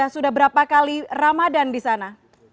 sudah berapa kali ramadan di sana